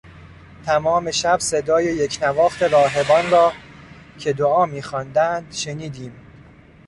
تمام شب صدای یکنواخت راهبان را که دعا میخواندند شنیدیم.